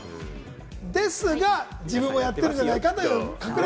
ですが、自分もやっているんじゃないかという。